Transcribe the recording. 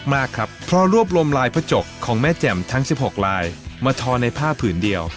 มากครับเพราะรวบรวมลายพระจกของแม่แจ่มทั้ง๑๖ลายมาทอในผ้าผืนเดียว